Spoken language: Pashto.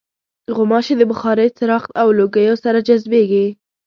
غوماشې د بخارۍ، څراغ او لوګیو سره جذبېږي.